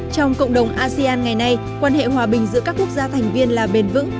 trong cộng đồng asean ngày nay quan hệ hòa bình giữa các quốc gia thành viên là bền vững